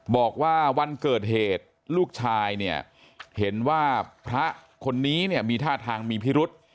บอกว่าวันเกิดเหตุลูกชายเนี่ยเห็นว่าพระคนนี้เนี่ยมีท่าทางมีพิรุษ